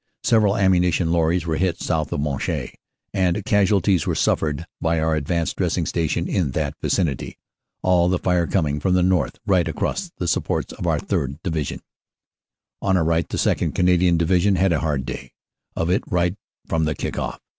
Several ammunition lorries were hit south of Monchy, and casualties were suffered by our Ad vanced Dressing Station in that vicinity, all the fire coming from the north right across the supports of our 3rd. Division, On our right the 2nd. Canadian Division had a hard day of it right from the kick off.